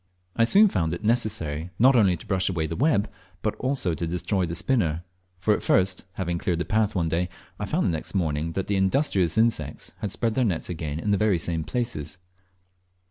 I soon found it necessary not only to brush away the web, but also to destroy the spinner; for at first, having cleared the path one day, I found the next morning that the industrious insects had spread their nets again in the very same places.